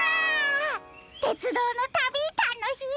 てつどうのたびたのしいですね！